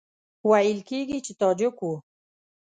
ویل کېږي چې تاجک وو.